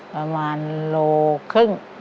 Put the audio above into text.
ประมาณโลครึ่ง